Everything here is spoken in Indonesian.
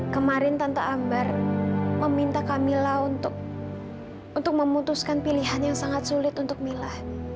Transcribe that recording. kemarin tante ambar meminta kamila untuk memutuskan pilihan yang sangat sulit untuk mila